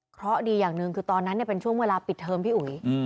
เพราะดีอย่างหนึ่งคือตอนนั้นเป็นช่วงเวลาปิดเทอมพี่อุ๋ย